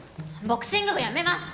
ボクシング部やめます！